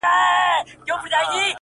قلم د زلفو يې د هر چا زنده گي ورانوي!!